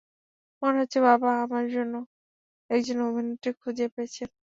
মনে হচ্ছে বাবা আমার জন্য একজন অভিনেত্রী খুঁজে পেয়েছেন!